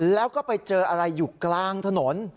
แล้วก็ไปเจออะไรอยู่กลางถนน